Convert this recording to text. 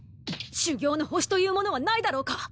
修行の星というものはないだろうか！